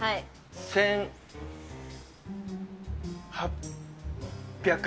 １８００。